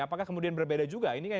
apakah kemudian berbeda juga